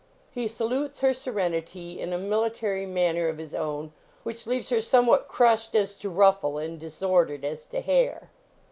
He sa lutes Her Serenity in a military manner of his own, which leaves her somewhat crushed as to ruffle and disordered as to hair.